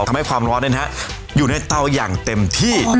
ทำให้ความร้อนอยู่ในเตาอย่างเต็มที่